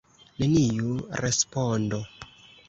Neniu respondo!